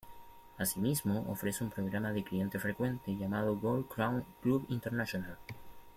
Así mismo ofrece un programa de cliente frecuente llamado "Gold Crown Club International".